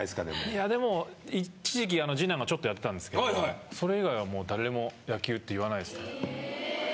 いやでも一時期二男がちょっとやってたんですけどそれ以外はもう誰も野球って言わないですね。